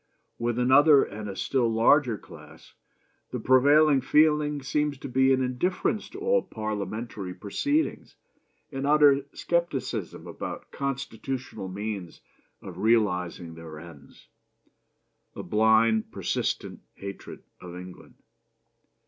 With another and a still larger class the prevailing feeling seems to be an indifference to all Parliamentary proceedings; an utter scepticism about constitutional means of realizing their ends; a blind, persistent hatred of England.